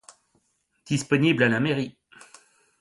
Disponible à la mairie.